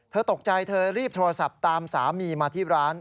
เธอตกใจเธอรีบโทรศัพท์ตามสามีมาที่ร้าน